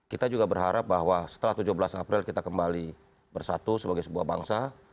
kita juga berharap bahwa setelah tujuh belas april kita kembali bersatu sebagai sebuah bangsa